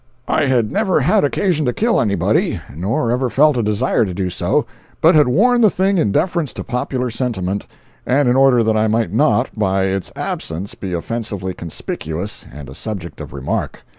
I had never had occasion to kill anybody, nor ever felt a desire to do so, but had worn the thing in deference to popular sentiment, and in order that I might not, by its absence, be offensively conspicuous, and a subject of remark.